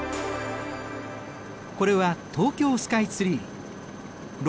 これは東京スカイツリー。